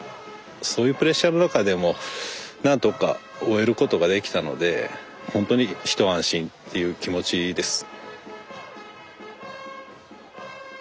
そういうプレッシャーの中でも何とか終えることができたのでほんとに一安心っていう気持ちです。